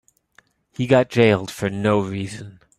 He got jailed for no reason.